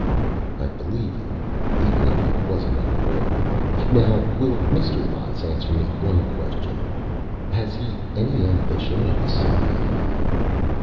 "I'd believe you, even if you wasn't under Oath. Now, will Mr. Botts answer me one Question? Has he any Ambition on the Side?"